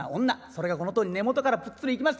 それがこのとおり根元からぷっつりいきました。